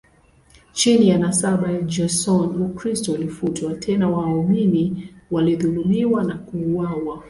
Chini ya nasaba ya Joseon, Ukristo ulifutwa, tena waamini walidhulumiwa na kuuawa.